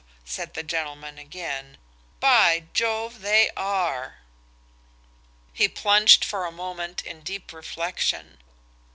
said the gentleman again–"by Jove, they are!" He plunged for a moment in deep reflection.